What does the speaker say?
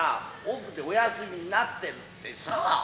奥でお休みになってるってさ。